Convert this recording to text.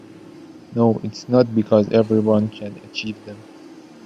No, it's because not everyone can achieve them.